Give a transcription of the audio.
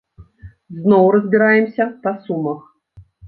Зноў разбіраемся па сумах.